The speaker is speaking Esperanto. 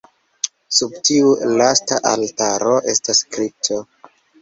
Sub tiu lasta altaro estas kripto.